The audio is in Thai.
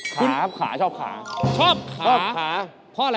ขาครับขาชอบขา